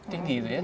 tinggi itu ya